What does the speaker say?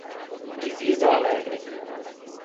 Divisa Alegre